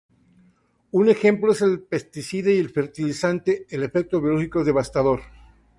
Un ejemplo es el de pesticidas y fertilizantes; el efecto biológico es devastador.